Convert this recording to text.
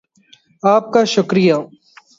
آپ کا شکریہ